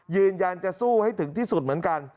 ยืนยันจะสู้ให้ถึงที่สุดเหมือนกัน